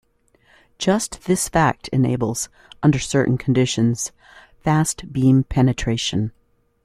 Just this fact enables, under certain conditions, fast beam penetration.